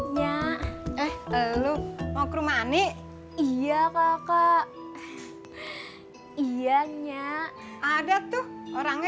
nyah eh lu mau ke rumah nih iya kakak iya nya ada tuh orangnya